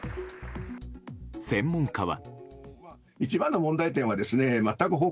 専門家は。